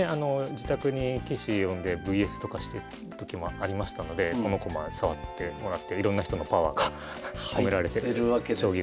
自宅に棋士呼んでＶＳとかしてた時もありましたのでこの駒触ってもらっていろんな人のパワーが込められてる将棋駒ですね。